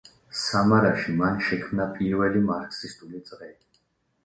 სამარაში მან შექმნა პირველი მარქსისტული წრე.